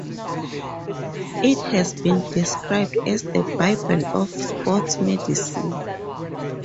It has been described as the Bible of Sports Medicine.